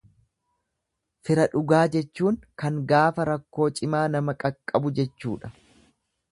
Fira dhugaa jechuun kan gaafa rakkoo cimaa nama qaqqabu jechuudha.